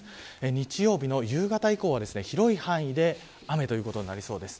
日曜日の夕方以降は、広い範囲で雨ということになりそうです。